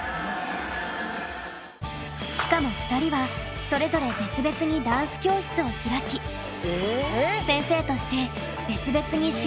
しかも２人はそれぞれ別々にダンス教室を開き先生として別々に指導をしています。